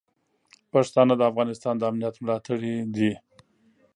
پښتانه د افغانستان د امنیت ملاتړي دي.